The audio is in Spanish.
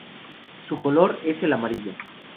Su color es el amarillo.